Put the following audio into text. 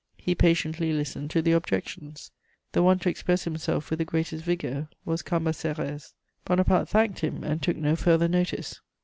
He patiently listened to the objections. The one to express himself with the greatest vigour was Cambacérès. Bonaparte thanked him and took no further notice.